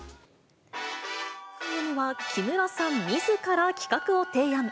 このＣＭは木村さんみずから企画を提案。